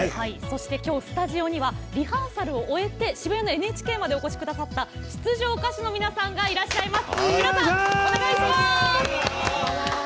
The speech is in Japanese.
きょう、スタジオにはリハーサルを終え渋谷のＮＨＫまでお越しくださった出場歌手の皆さんがいらっしゃいます！